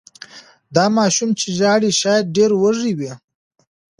دا ماشوم چې ژاړي شاید ډېر وږی وي.